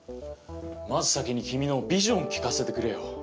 まず先に、君のビジョンを聞かせてくれよ。